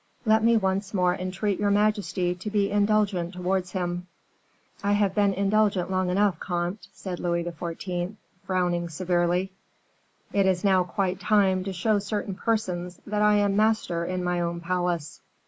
"Let me once more entreat your majesty to be indulgent towards him." "I have been indulgent long enough, comte," said Louis XIV., frowning severely; "it is now quite time to show certain persons that I am master in my own palace."